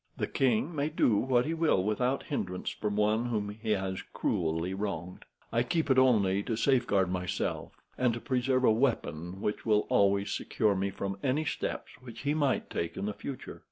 The king may do what he will without hindrance from one whom he has cruelly wronged. I keep it only to safeguard myself, and preserve a weapon which will always secure me from any steps which he might take in the future.